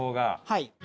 はい。